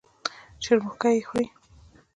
شرموښکۍ خوري.